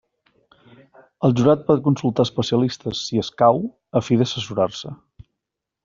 El jurat pot consultar especialistes, si escau, a fi d'assessorar-se.